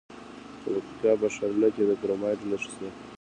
د پکتیکا په ښرنه کې د کرومایټ نښې شته.